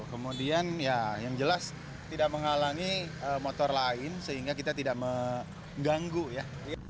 kemudian ya yang jelas tidak menghalangi motor lain sehingga kita tidak mengganggu ya